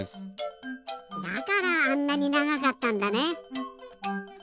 だからあんなにながかったんだね。